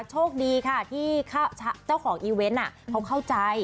โชคดีค่ะที่เจ้าของอีเวนต์เขาเข้าใจ